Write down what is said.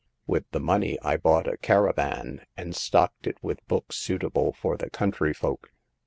With the money I bought a car avan, and stocked it with books suitable for the country folk.